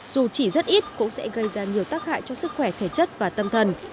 dù chỉ rất ít cũng sẽ gây ra nhiều tác hại cho sức khỏe thể chất và tâm thần